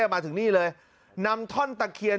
มาถึงนี่เลยนำท่อนตะเคียน